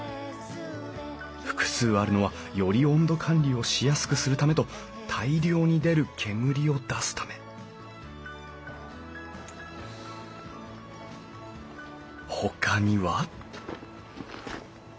複数あるのはより温度管理をしやすくするためと大量に出る煙を出すためほかには？